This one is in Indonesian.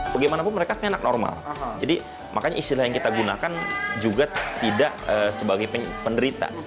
bagaimanapun mereka sebenarnya anak normal jadi makanya istilah yang kita gunakan juga tidak sebagai penderita